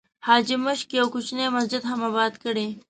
حاجي ماشک یو کوچنی مسجد هم آباد کړی.